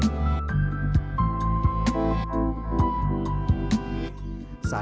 sadar surabaya kaya unsur sejarah